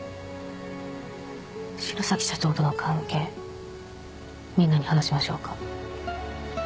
白崎社長との関係みんなに話しましょうか？